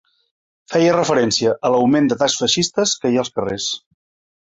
Feia referència a l’augment d’atacs feixistes que hi ha als carrers.